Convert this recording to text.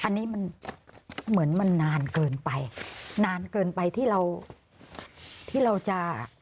อันนี้มันเหมือนมันนานเกินไปนานเกินไปที่เราที่เราจะ